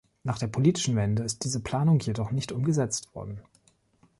Nach der politischen Wende ist diese Planung jedoch nicht umgesetzt worden.